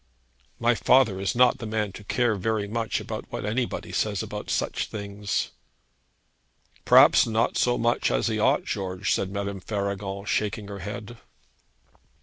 'My father is not the man to care very much what anybody says about such things.' 'Perhaps not so much as he ought, George,' said Madame Faragon, shaking her head.